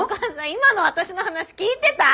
今の私の話聞いてた？